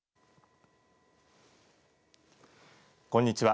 こんにちは。